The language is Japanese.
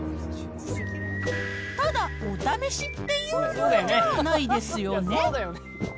ただ、お試しっていう量じゃないですよね。